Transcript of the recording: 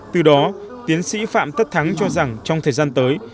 từ đó tiến sĩ phạm tất thắng cho rằng trong thời gian tới